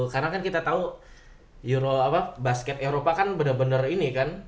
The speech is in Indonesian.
karena kan kita tau basket eropa kan bener bener ini kan